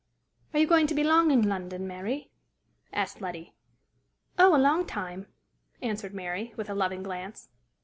"Are you going to be long in London, Mary?" asked Letty. "Oh, a long time!" answered Mary, with a loving glance.